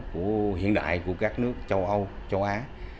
của hiện đại của các nước châu âu châu á